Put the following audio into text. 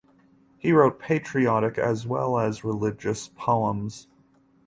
He wrote patriotic as well as religious poems.